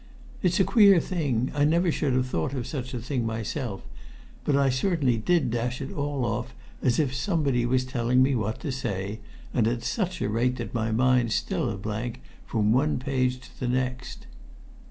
"It's a queer thing I never should have thought of such a thing myself but I certainly did dash it all off as if somebody was telling me what to say, and at such a rate that my mind's still a blank from one page to the next."